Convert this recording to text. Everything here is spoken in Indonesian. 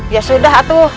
ya sudah atuh